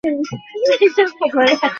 আর কুলপি এন্তের নানা আকারের।